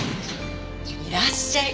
いらっしゃい。